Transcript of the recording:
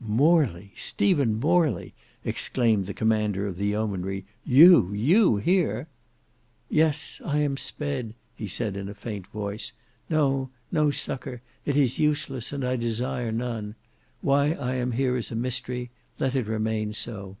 "Morley! Stephen Morley!" exclaimed the commander of the yeomanry. "You, you here!" "Yes. I am sped," he said in a faint voice. "No, no succour. It is useless and I desire none. Why I am here is a mystery; let it remain so.